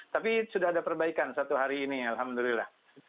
tapi sudah ada perbaikan satu hari ini alhamdulillah